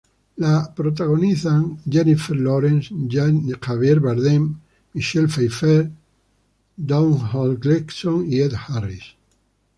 La protagonizan Jennifer Lawrence, Javier Bardem, Michelle Pfeiffer, Domhnall Gleeson y Ed Harris.